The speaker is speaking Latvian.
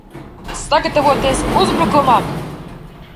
Sagatavoties uzbrukumam!